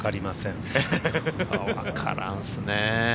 わからんすね。